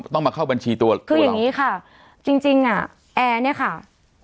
ต้องมาเข้าบัญชีตัวคืออย่างงี้ค่ะจริงจริงอ่ะแอร์เนี่ยค่ะ